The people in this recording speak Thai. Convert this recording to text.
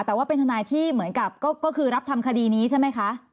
แต่ว่าเป็นทนายที่เหมือนกับก็คือรับทำคดีนี้ใช่ไหมคะ